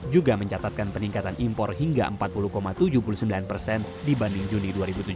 juga mencatatkan peningkatan impor hingga empat puluh tujuh puluh sembilan persen dibanding juni dua ribu tujuh belas